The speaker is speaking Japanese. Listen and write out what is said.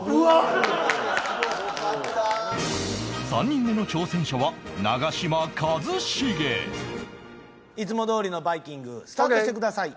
３人目の挑戦者は長嶋一茂いつもどおりのバイキングスタートしてください。